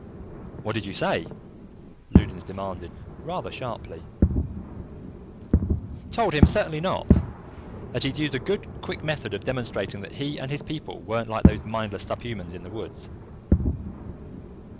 '" "What did you say?" Loudons demanded rather sharply. "Told him certainly not, that he'd used a good, quick method of demonstrating that he and his people weren't like those mindless subhumans in the woods."